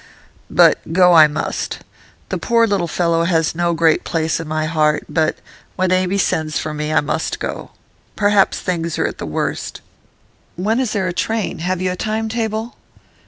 'But go I must. The poor little fellow has no great place in my heart, but, when Amy sends for me, I must go. Perhaps things are at the worst.' 'When is there a train? Have you a time table?